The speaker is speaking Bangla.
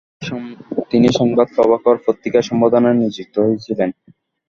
তিনি সংবাদ প্রভাকর পত্রিকার সম্পাদনায় নিযুক্ত হয়েছিলেন।